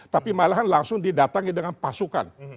tapi malahan langsung didatangi dengan pasukan